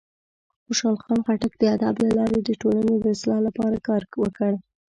خوشحال خان خټک د ادب له لارې د ټولنې د اصلاح لپاره کار وکړ.